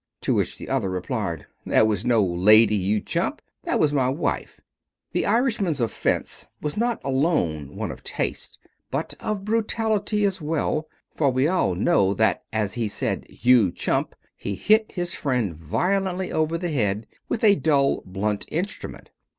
to which the other replied, "That was no lady, you chump; that was my wife." The Irishman's offense was not alone one of taste but of brutality as well, for we all know that as he said "You chump," he hit his friend violently over the head with a dull, blunt instrument.